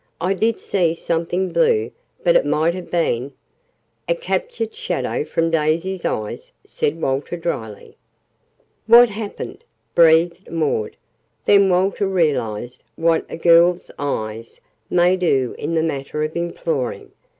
I did see something blue, but it might have been " "A captured shadow from Daisy's eyes," said Walter dryly. "What happened?" breathed Maud. Then Walter realized what a girl's eyes may do in the matter of "imploring."